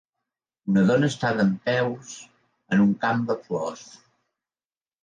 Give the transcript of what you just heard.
Una dona està dempeus en un camp de flors.